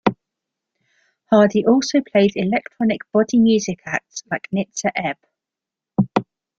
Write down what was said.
Hardy also played electronic body music acts like Nitzer Ebb.